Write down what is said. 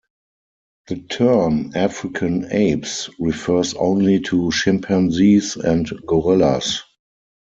The term "African apes" refers only to chimpanzees and gorillas.